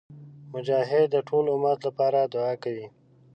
مجاهد د ټول امت لپاره دعا کوي.